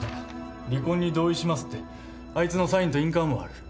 離婚に同意します」ってあいつのサインと印鑑もある。